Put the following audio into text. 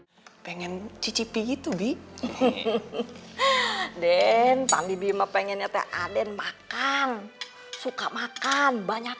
hai pengen cicipi itu di hehehe den tanggung bima pengennya teh aden makan suka makan banyak